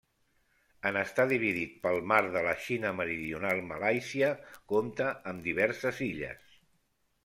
En estar dividit pel Mar de la Xina Meridional Malàisia compta amb diverses illes.